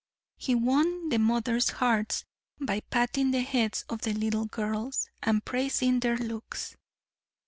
He won the mothers' hearts by patting the heads of the little girls, and praising their looks.